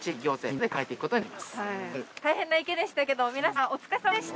たいへんな池でしたけど皆さんお疲れさまでした。